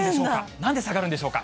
なんで下がるんでしょうか。